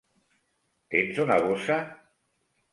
Tens una bossa?